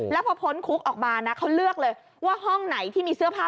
แล้วพอพ้นคุกออกมานะเขาเลือกเลยว่าห้องไหนที่มีเสื้อผ้า